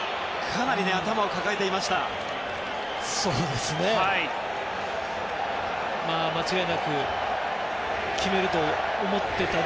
かなり頭を抱えていました。